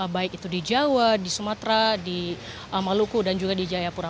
baik itu di jawa di sumatera di maluku dan juga di jayapura